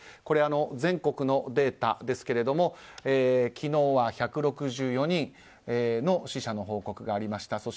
これは全国のデータですけども昨日は１６４人の死者の報告がありました。